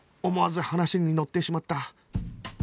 思わず話に乗ってしまった